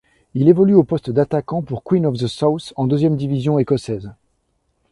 Il évolue au poste d'attaquant pour Queen of the South en deuxième division écossaise.